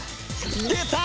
出た！